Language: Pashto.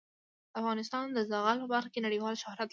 افغانستان د زغال په برخه کې نړیوال شهرت لري.